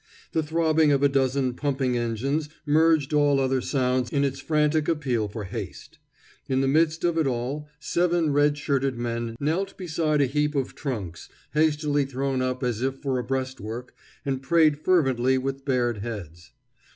The throbbing of a dozen pumping engines merged all other sounds in its frantic appeal for haste. In the midst of it all, seven red shirted men knelt beside a heap of trunks, hastily thrown up as if for a breastwork, and prayed fervently with bared heads.